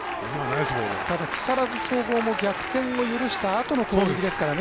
ただ、木更津総合も逆転を許したあとの攻撃ですからね。